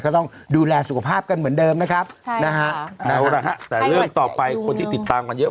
ก็ต้องดูแลสุขภาพกันเหมือนเดิมนะครับใช่นะฮะเอาละฮะแต่เรื่องต่อไปคนที่ติดตามกันเยอะ